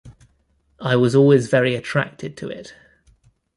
I was always very attracted to it.